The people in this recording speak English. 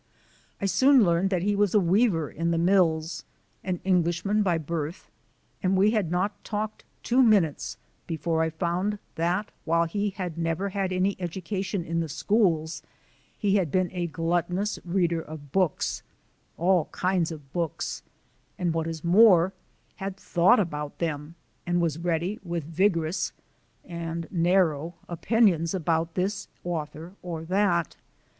I soon learned that he was a weaver in the mills, an Englishman by birth, and we had not talked two minutes before I found that, while he had never had any education in the schools, he had been a gluttonous reader of books all kind of books and, what is more, had thought about them and was ready with vigorous (and narrow) opinions about this author or that.